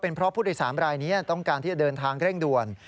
เพราะผู้โดยสารรายนี้ต้องการที่จะเดินทางเร่งด่วน